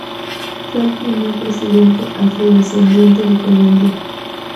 Fue el primer presidente afrodescendiente de Colombia.